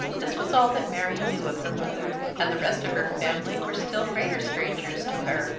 This was all that Mary knew of her mother, and the rest of her family were still greater strangers to her.